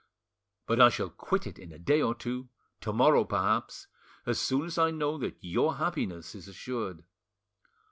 But I shall quit it in a day or two, to morrow perhaps—as soon as I know that your happiness is assured.